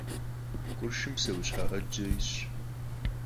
Къуршым псэущхьэ Ӏэджэ исщ.